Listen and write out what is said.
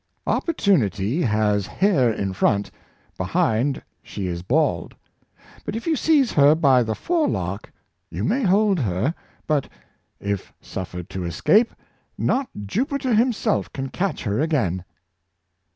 " Opportunity has hair in front, behind she is bald ; if you seize her by the forelock you may hold her, but, if suffered to escape, not Jupiter himself can catch her again."